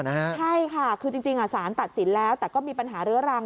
ใช่ค่ะคือจริงสารตัดสินแล้วแต่ก็มีปัญหาเรื้อรัง